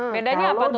bedanya apa tuh mas